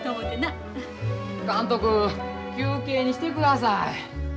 監督休憩にしてください。